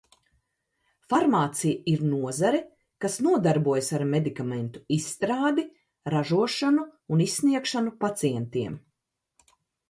Farmācija ir nozare, kas nodarbojas ar medikamentu izstrādi, ražošanu un izsniegšanu pacientiem.